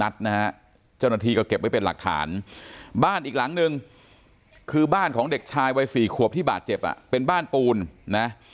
ซึ่งคือบ้านของเด็กชายวัย๔ขวบที่บาดเจ็บเป็นบ้านปูน